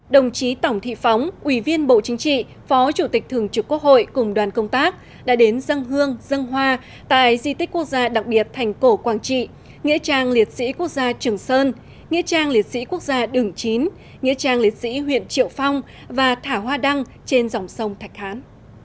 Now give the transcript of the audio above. đồng chí tổng thị phóng ủy viên bộ chính trị phó chủ tịch thường trực quốc hội cùng đoàn công tác đã đến dân hương dân hoa tại di tích quốc gia đặc biệt thành cổ quảng trị nghĩa trang liệt sĩ quốc gia trường sơn nghĩa trang liệt sĩ quốc gia đường chín nghĩa trang liệt sĩ huyện triệu phong và thả hoa đăng trên dòng sông thạch hán